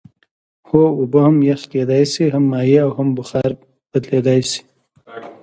هو اوبه هم یخ کیدای شي هم مایع او هم په بخار بدلیدلی شي